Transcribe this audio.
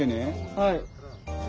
はい。